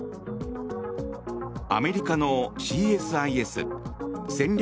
アメリカのＣＳＩＳ・戦略